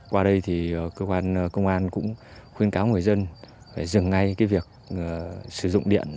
qua đây thì cơ quan công an cũng khuyên cáo người dân phải dừng ngay cái việc sử dụng điện